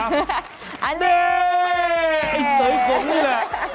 นี่ไอ้เสยผมนี่แหละ